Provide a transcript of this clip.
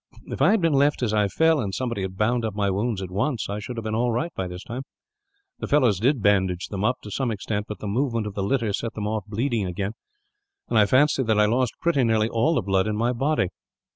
If I had been left as I fell, and somebody had bound up my wounds at once, I should have been all right by this time. The fellows did bandage them up, to some extent; but the movement of the litter set them off bleeding again, and I fancy that I lost pretty nearly all the blood in my body.